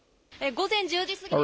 午前１０時過ぎです。